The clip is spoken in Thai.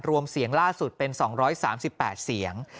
รวมเสียงล่าสุดเป็น๒๓๘เสียง